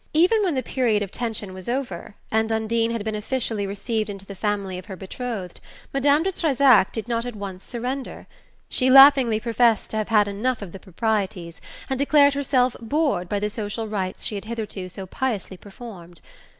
Even when the period of tension was over, and Undine had been officially received into the family of her betrothed, Madame de Trezac did not at once surrender. She laughingly professed to have had enough of the proprieties, and declared herself bored by the social rites she had hitherto so piously performed.